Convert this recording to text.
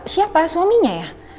siapa suaminya ya